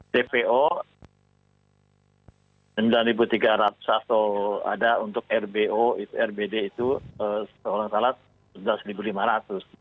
dpo sembilan tiga ratus atau ada untuk rbo itu rbd itu seorang salah rp sebelas lima ratus